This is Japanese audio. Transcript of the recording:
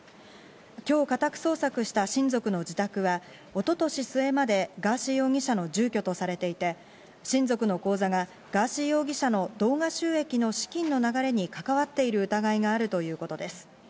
今日、家宅捜索した親族の自宅は一昨年末までガーシー容疑者の住居とされていて、親族の口座がガーシー容疑者の動画収益の資金の流れに関わっている疑いがあるということです。